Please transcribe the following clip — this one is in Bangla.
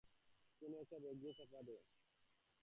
কোন একটা ব্যাগ দিয়ে চাপা দে।